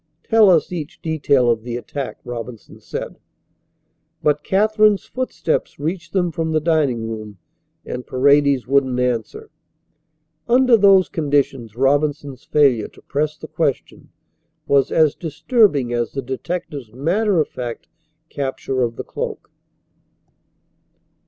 "Tell us each detail of the attack," Robinson said. But Katherine's footsteps reached them from the dining room and Paredes wouldn't answer. Under those conditions Robinson's failure to press the question was as disturbing as the detective's matter of fact capture of the cloak.